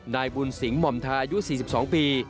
นายบุญสิงหม่อมทาอายุ๔๒ปี